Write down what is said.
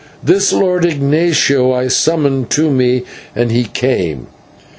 This Lord Ignatio I summoned to me, and he came.